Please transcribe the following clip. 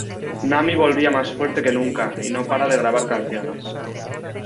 Nami volvía más fuerte que nunca y no para de grabar canciones.